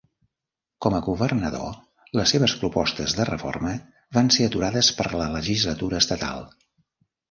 Com a governador, les seves propostes de reforma van ser aturades per la legislatura estatal.